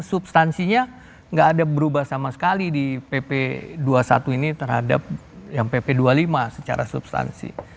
substansinya nggak ada berubah sama sekali di pp dua puluh satu ini terhadap yang pp dua puluh lima secara substansi